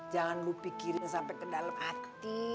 jangan lu pikirin sampai ke dalam hati